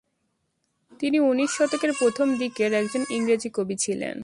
তিনি উনিশ শতকের প্রথম দিকের একজন ইংরেজি কবি ছিলেন।